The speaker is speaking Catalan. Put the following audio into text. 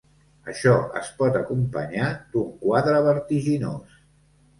Això es pot acompanyar d'un quadre vertiginós.